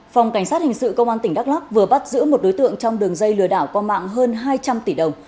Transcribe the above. phòng cảnh sát hình sự công an tỉnh đắk lắc vừa bắt giữ một đối tượng trong đường dây lừa đảo qua mạng hơn hai trăm linh tỷ đồng